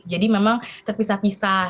jadi memang terpisah pisah